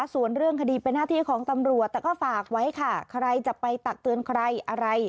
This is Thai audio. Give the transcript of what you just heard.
ส่วนเรื่องคดีเป็นหน้าที่ของตำรวจแต่ก็ฝากไว้ค่ะใครจะไปตักเตือนใครอะไร